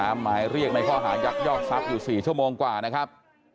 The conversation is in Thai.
หมายเรียกในข้อหายักยอกทรัพย์อยู่๔ชั่วโมงกว่านะครับ